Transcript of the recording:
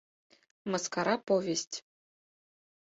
МЫСКАРА ПОВЕСТЬ